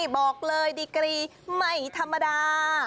บอกเลยดีกรีไม่ธรรมดา